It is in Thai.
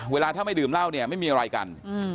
เวลาถ้าไม่ดื่มเหล้าเนี่ยไม่มีอะไรกัน